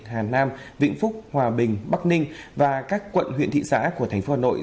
hà nam vĩnh phúc hòa bình bắc ninh và các quận huyện thị xã của tp hà nội